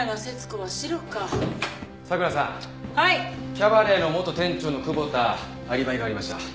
キャバレーの元店長の久保田アリバイがありました。